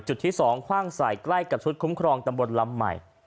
จุดที่๒คว่างใส่ใกล้กับชุดคุ้มครองตำบลลำใหม่